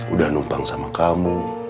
udah numpang sama kamu